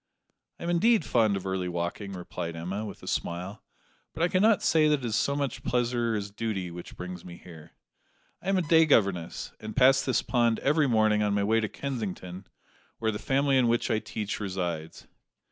"I am indeed fond of early walking," replied Emma, with a smile; "but I cannot say that it is so much pleasure as duty which brings me here. I am a day governess, and pass this pond every morning on my way to Kensington, where the family in which I teach resides."